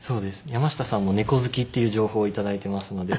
山下さんも猫好きっていう情報をいただいてますので。